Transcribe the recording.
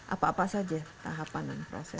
apa apa saja tahapan dan proses